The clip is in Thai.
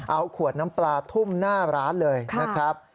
เอาขวดน้ำปลาทุ่มหน้าร้านเลยนะครับ